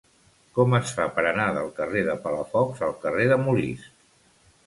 Com es fa per anar del carrer de Palafox al carrer de Molist?